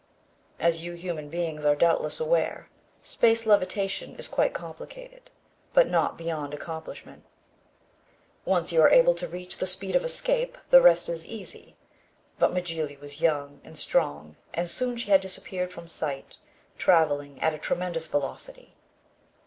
As you human beings are doubtless aware, space levitation is quite complicated, but not beyond accomplishment. Once you are able to reach the speed of escape the rest is easy. But Mjly was young and strong and soon she had disappeared from sight traveling at a tremendous velocity.